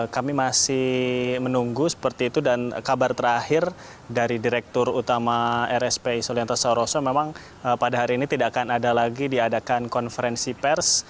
kami masih menunggu seperti itu dan kabar terakhir dari direktur utama rspi sulianto saroso memang pada hari ini tidak akan ada lagi diadakan konferensi pers